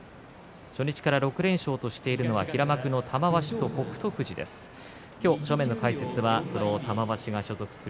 初日から６連勝としているのは平幕の玉鷲と北勝富士です。